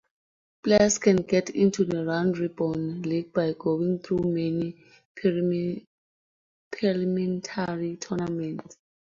Players can get into the round robin league by going through many preliminary tournaments.